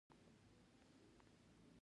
کورنۍ ته یې صبر غواړم، روح یې ښاد.